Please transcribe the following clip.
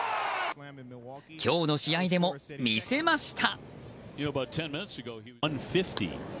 今日の試合でも見せました！